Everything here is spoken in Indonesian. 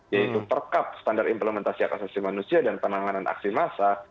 yaitu per kap standar implementasi akasasi manusia dan penanganan aksi massa